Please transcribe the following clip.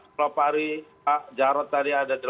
kalau pak eri pak jarod tadi ada